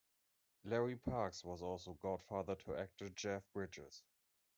Larry Parks was also godfather to actor Jeff Bridges.